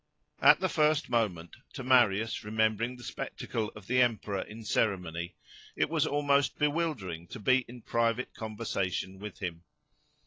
At the first moment, to Marius, remembering the spectacle of the emperor in ceremony, it was almost bewildering to be in private conversation with him.